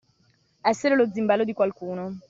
Essere lo zimbello di qualcuno.